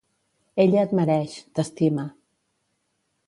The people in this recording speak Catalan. Ella et mereix, t'estima.